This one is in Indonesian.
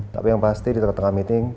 tapi yang pasti di tengah tengah meeting